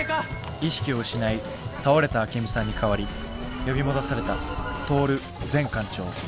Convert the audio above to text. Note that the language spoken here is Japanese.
意識を失い倒れたアケミさんに代わり呼び戻されたトオル前艦長。